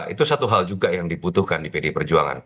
itu satu hal juga yang dibutuhkan di pdi perjuangan